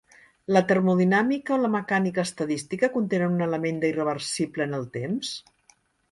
La termodinàmica o la mecànica estadística contenen un element de irreversible en el temps?